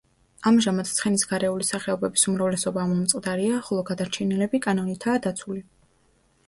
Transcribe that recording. ამჟამად ცხენის გარეული სახეობების უმრავლესობა ამომწყდარია, ხოლო გადარჩენილები კანონითაა დაცული.